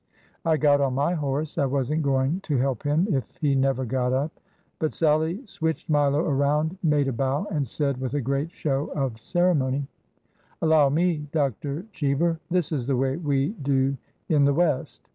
I got on my horse — I was n't going to help him if he never got up ! But Sallie switched Milo around, made a bow, and said with a great show of ceremony :^ Allow me. Dr. Cheever 1 This is the way v/e do in the West.'